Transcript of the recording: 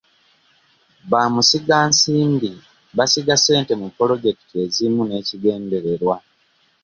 Bamusigansimbi basiga ssente mu pulojekiti ezimu n'ekigendererwa.